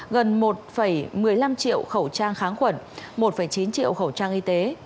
gần một một mươi năm triệu khẩu trang kháng khuẩn một chín triệu khẩu trang y tế